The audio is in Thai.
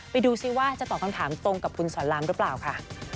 ดูสิว่าจะตอบคำถามตรงกับคุณสอนรามหรือเปล่าค่ะ